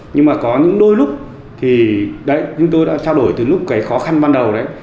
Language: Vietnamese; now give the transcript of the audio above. nhưng mà có những đôi lúc thì như tôi đã trao đổi từ lúc cái khó khăn ban đầu đấy